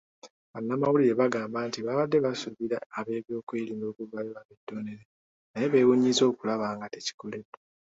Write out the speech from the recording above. Bannamawulire bagamba nti babadde basuubira ab'ebyokwerinda okuvaayo babeetondere naye beewuunyizza okulaba nga tekikoleddwa.